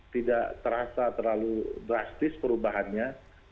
tidak terasa terlalu drastis perubahannya